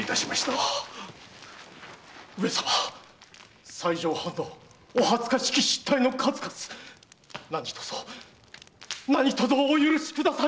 上様西条藩のお恥ずかしき失態の数々何卒何卒お許しくださいませ！